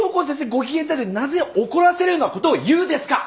ご機嫌だったのになぜ怒らせるようなことを言うんですか！